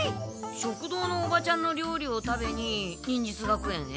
食堂のおばちゃんの料理を食べに忍術学園へ？